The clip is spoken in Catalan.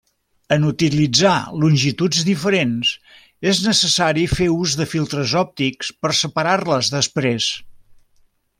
En utilitzar longituds diferents és necessari fer ús de filtres òptics per separar-les després.